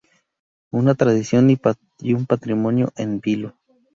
Una tradición y un patrimonio en vilo.